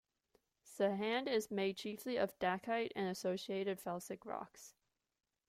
Sahand is made chiefly of dacite and associated felsic rocks.